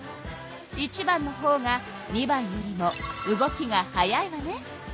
１番のほうが２番よりも動きが速いわね。